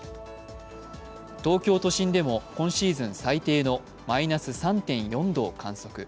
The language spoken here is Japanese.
東京都心でも、今シーズン最低のマイナス３．４度を観測。